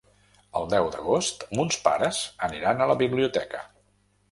El deu d'agost mons pares aniran a la biblioteca.